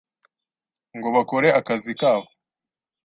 ngo bakore akazi kabo,